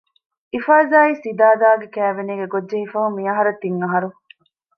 އިފާޒާއި ސިދާދާގެ ކައިވެނީގެ ގޮށްޖެހިފަހުން މިއަހަރަށް ތިން އަހަރު